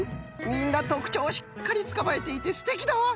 みんなとくちょうをしっかりつかまえていてすてきだわ！